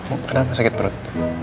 oh kenapa sakit perut